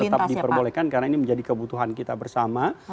tetap diperbolehkan karena ini menjadi kebutuhan kita bersama